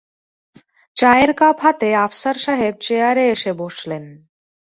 চায়ের কাপ হাতে আফসার সাহেব চেয়ারে এসে বসলেন।